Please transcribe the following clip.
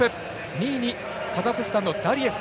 ２位にカザフスタン、ダリエフ。